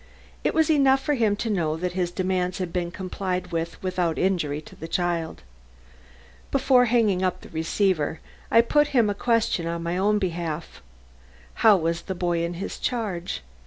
It was enough for him to know that his demands had been complied with without injury to the child. Before hanging up the receiver, I put him a question on my own behalf. How was the boy in his charge?